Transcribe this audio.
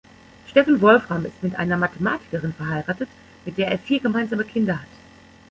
Stephen Wolfram ist mit einer Mathematikerin verheiratet, mit der er vier gemeinsame Kinder hat.